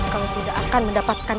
kau tidak akan mendapatkan